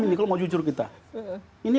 ini kalau mau jujur kita ini